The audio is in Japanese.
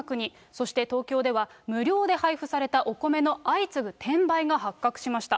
そして、東京では、無料で配布されたお米の相次ぐ転売が発覚しました。